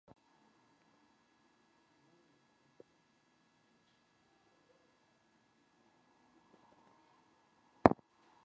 په دې وخت کې یې سترګې پر یوه زوړ قات شوي کاغذ پرېوتې.